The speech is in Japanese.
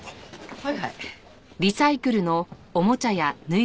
はいはい。